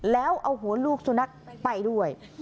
แล้วเอาหัวลูกสุนัขไปด้วย